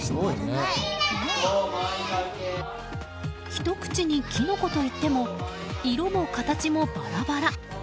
ひと口にキノコといっても色も形もバラバラ。